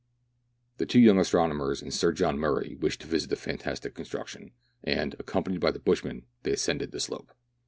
The two young astronomers and Sir John Murray wished to visit the fantastic construction, and, accompanied by the bushman, they ascended the slope.